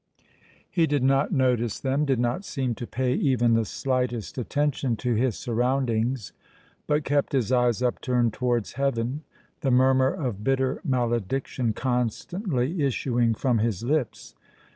He did not notice them, did not seem to pay even the slightest attention to his surroundings, but kept his eyes upturned towards heaven, the murmur of bitter malediction constantly issuing from his lips.